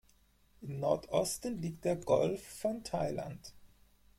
Im Nordosten liegt der Golf von Thailand.